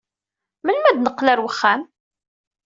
Melmi ad neqqel ɣer uxxam?